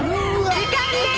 時間です！